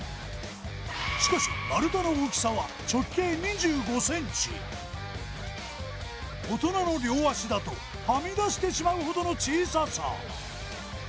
しかし丸太の大きさは直径２５ｃｍ大人の両足だとはみ出してしまうほどの小ささ